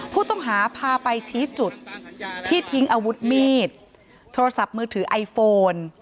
ผู้ต้องหาพาไปชี้จุดที่ทิ้งอาวุธมีดโทรศัพท์มือถือไอโฟน